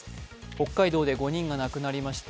北海道で５人が亡くなりました